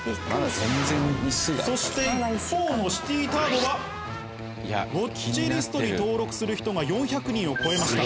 そして一方のシティターボはウォッチリストに登録する人が４００人を超えました。